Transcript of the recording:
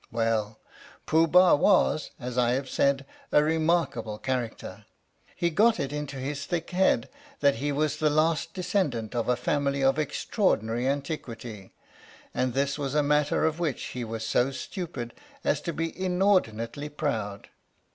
Well, Pooh Bah was, as I have said, a remarkable character. He got it into his thick head that he was the last descendant 16 THE STORY OF THE MIKADO of a family of extraordinary antiquity, and this was a matter of which he was so stupid as to be inordinately proud.